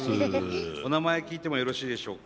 お名前聞いてもよろしいでしょうか？